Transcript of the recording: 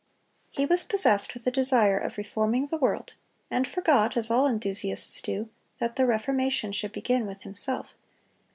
"He was possessed with a desire of reforming the world, and forgot, as all enthusiasts do, that the reformation should begin with himself."